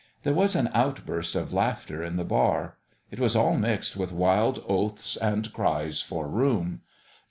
There was an outburst of laughter in the bar. It was all mixed with wild oaths and cries for room.